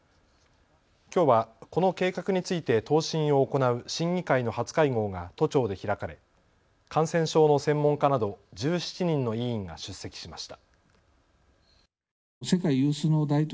きょうはこの計画について答申を行う審議会の初会合が都庁で開かれ感染症の専門家など１７人の委員が出席しました。